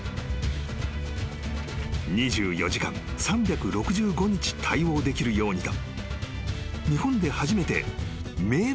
［２４時間３６５日対応できるようにと］